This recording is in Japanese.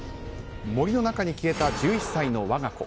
森の中に消えた１１歳の我が子。